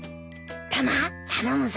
タマ頼むぞ。